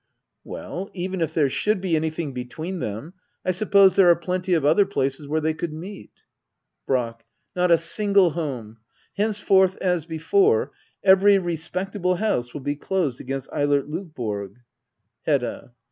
Well, even if there should be anything between them, I suppose there are plenty of other places where they could meet. Brack. Not a single home. Henceforth, as before, every respectable house will be closed against Eilert Lovborg. Hedda.